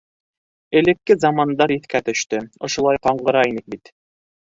Элекке замандар иҫкә төштө: ошолай ҡаңғыра инек бит.